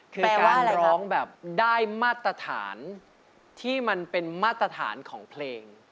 คือการร้องแบบได้มาตรฐานที่มันเป็นมาตรฐานของเพลงแปลว่าอะไรครับ